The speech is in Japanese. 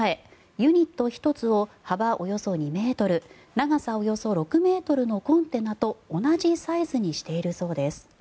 ユニット１つを幅およそ２ｍ長さおよそ６ｍのコンテナと同じサイズにしているそうです。